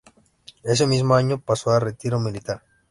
Ese mismo año pasó a retiro militar.